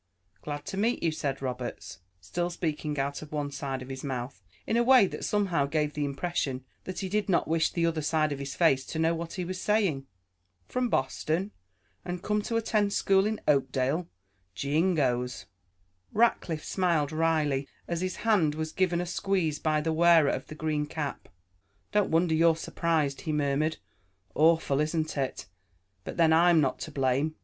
"Glad to meet you," said Roberts, still speaking out of one side of his mouth, in a way that somehow gave the impression that he did not wish the other side of his face to know what he was saying. "From Boston and come to attend school in Oakdale. Jingoes!" Rackliff smiled wryly, as his hand was given a squeeze by the wearer of the green cap. "Don't wonder you're surprised," he murmured. "Awful, isn't it? But then, I'm not to blame.